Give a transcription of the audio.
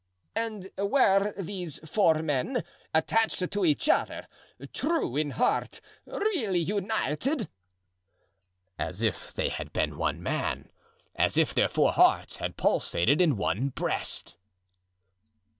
"And were these four men attached to each other, true in heart, really united?" "As if they had been one man—as if their four hearts had pulsated in one breast."